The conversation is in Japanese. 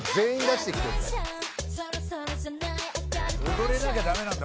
「踊れなきゃ駄目なんだ。